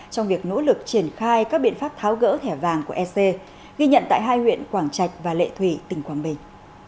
trong việc nỗ lực triển khai các biện pháp tháo gỡ thẻ vàng của ec ghi nhận tại hai huyện quảng trạch và lệ thủy tỉnh quảng bình